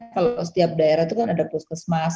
kalau setiap daerah itu kan ada puskesmas